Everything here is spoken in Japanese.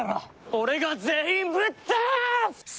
俺が全員ぶっ倒す！